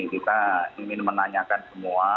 kita ingin menanyakan semua